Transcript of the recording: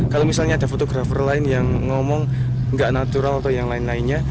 kalau misalnya ada fotografer lain yang ngomong nggak natural atau yang lain lainnya